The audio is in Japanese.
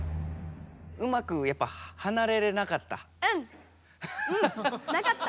うまくやっぱはなれれなかった？なかった！